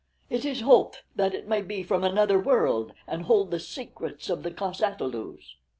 It is hoped that it may be from another world and hold the secret of the cos ata lus."